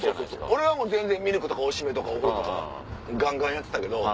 俺はもう全然ミルクとかおしめとかお風呂とかガンガンやってたけど。